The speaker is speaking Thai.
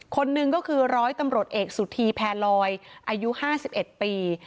คนนึงก็คือร้อยตำรวจเอกสุธีแพลลอยอายุห้าสิบเอ็ดปี